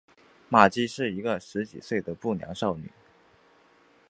玛姬是一个十几岁的不良少女。